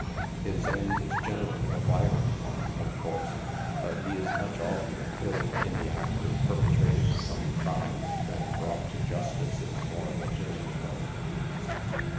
His end is gen erally a violent one, of course, but he is much offcener killed in the act of perpetrating some crime, than brought to justice in a more legitimate way.